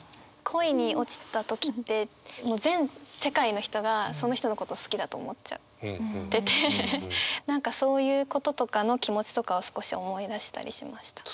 恋に落ちた時ってもう全世界の人がその人のことを好きだと思っちゃってて何かそういうこととかの気持ちとかを少し思い出したりしました。